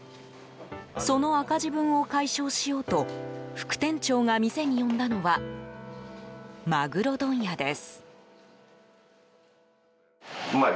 その赤字分を解消しようと副店長が店に呼んだのはマグロ問屋です。